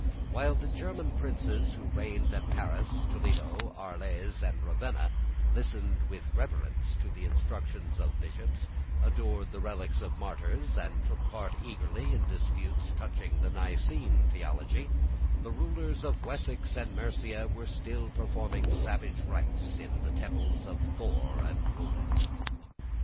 While the German princes who reigned at Paris, Toledo, Arles, and Ravenna listened with reverence to the instructions of bishops, adored the relics of martyrs, and took part eagerly in disputes touching the Nicene theology, the rulers of Wessex and Mercia were still performing savage rites in the temples of Thor and Woden.